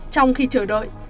trong khi chờ đợi